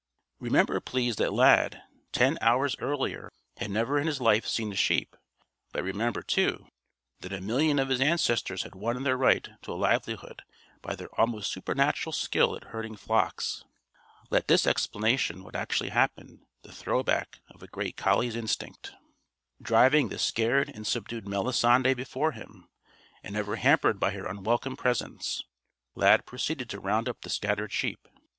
Remember, please, that Lad, ten hours earlier, had never in his life seen a sheep. But remember, too, that a million of his ancestors had won their right to a livelihood by their almost supernatural skill at herding flocks. Let this explain what actually happened the throwback of a great collie's instinct. Driving the scared and subdued Melisande before him and ever hampered by her unwelcome presence Lad proceeded to round up the scattered sheep.